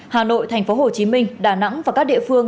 hà nội tp hcm đà nẵng và các địa phương